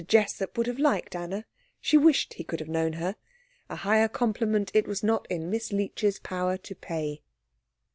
Jessup would have liked Anna. She wished he could have known her. A higher compliment it was not in Miss Leech's power to pay.